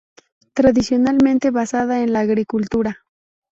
Tradicionalmente basada en la agricultura.